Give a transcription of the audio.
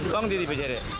bangun di bangun di di pejari